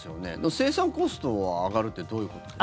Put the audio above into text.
生産コストが上がるってどういうことですか。